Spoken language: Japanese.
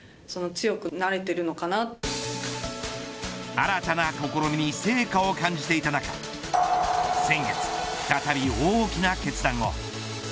新たな試みに成果を感じていた中先月、再び大きな決断を。